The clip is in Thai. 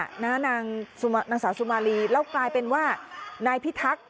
นางสาวสุมารีแล้วกลายเป็นว่านายพิทักษ์